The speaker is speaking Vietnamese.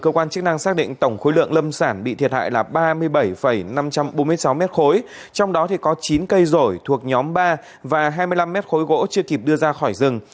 cơ quan chức năng xác định tổng khối lượng lâm sản bị thiệt hại là ba mươi bảy năm trăm bốn mươi sáu m ba trong đó có chín cây rổi thuộc nhóm ba và hai mươi năm mét khối gỗ chưa kịp đưa ra khỏi rừng